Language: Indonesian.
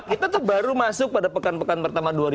itu baru masuk pada pekan pekan pertama ini